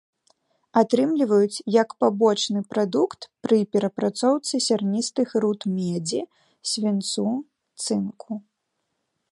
Атрымліваюць як пабочны прадукт пры перапрацоўцы сярністых руд медзі, свінцу, цынку.